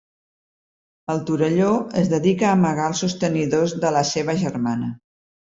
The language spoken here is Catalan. El Torelló es dedica a amagar els sostenidors de la seva germana.